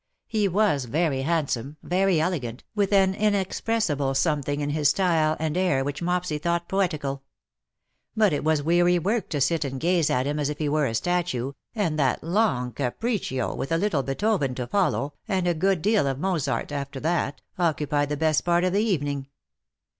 He was very hand some, very elegant, with an inexpressible something in his style and air which Mopsy thought poetical. But it was weary work to sit and gaze at him as if he were a statue, and that long capriccio, with a little Beethoven to follow, and a good deal of [Mozart after that, occupied the best part of the evening.